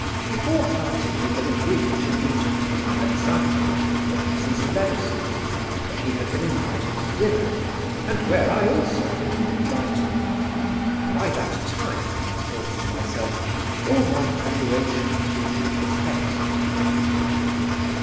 Before parting we had agreed to meet a few nights afterwards at Mrs. Leverson's, where he had been invited to dinner, and where I also had been invited. By that time, I thought to myself, all my preparations would be perfected.